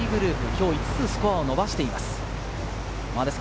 今日５つスコアを伸ばしています。